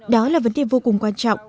đó là vấn đề vô cùng quan trọng